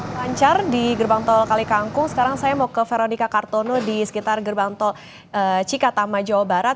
lancar di gerbang tol kalikangkung sekarang saya mau ke veronica kartono di sekitar gerbang tol cikatama jawa barat